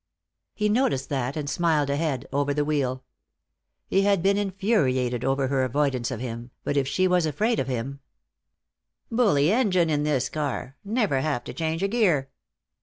He noticed that, and smiled ahead, over the wheel. He had been infuriated over her avoidance of him, but if she was afraid of him "Bully engine in this car. Never have to change a gear."